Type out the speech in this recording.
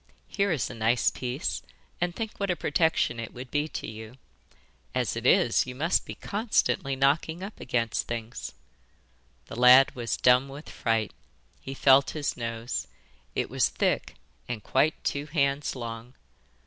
Here is a nice piece; and think what a protection it would be to you. As it is, you must be constantly knocking up against things.' The lad was dumb with fright. He felt his nose. It was thick, and quite two hands long.